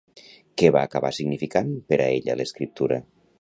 Què va acabar significant per a ella l'escriptura?